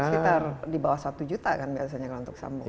sekitar di bawah satu juta kan biasanya kalau untuk sambungan